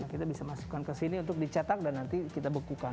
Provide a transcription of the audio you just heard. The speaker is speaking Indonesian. jadi kita bisa masukkan ke sini untuk dicetak dan nanti kita bekukan